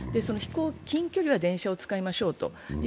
近距離は電車を使いましょうと。